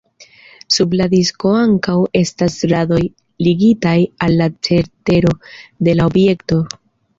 Sub la disko ankaŭ estas radoj ligitaj al la cetero de la objekto.